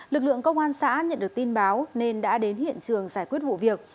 lực lượng công an xã nhận được tin báo nên đã đến hiện trường giải quyết vụ việc